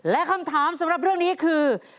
และคำถามสำหรับเรื่องนี้คือ